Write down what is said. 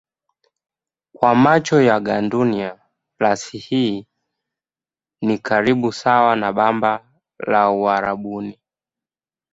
Kwa macho ya gandunia rasi hii ni karibu sawa na bamba la Uarabuni.